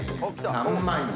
３万円。